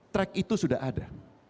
track itu sudah ada